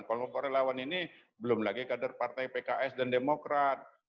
kelompok relawan ini belum lagi kader partai pks dan demokrat